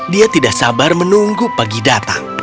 dia tidak sabar menunggu pagi datang